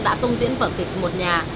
đã công diễn vợ kịch một nhà